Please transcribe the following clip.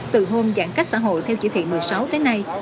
từ hôm giãn cách xã hội theo chỉ thị một mươi sáu tới nay